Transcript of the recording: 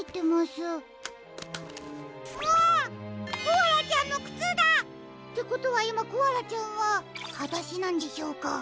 コアラちゃんのくつだ！ってことはいまコアラちゃんははだしなんでしょうか？